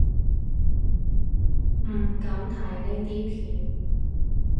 唔敢睇呢啲片